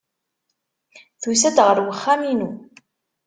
Tusa-d ɣer uxxam-inu.